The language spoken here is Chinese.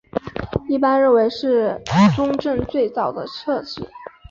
一般认为是政宗最早的侧室。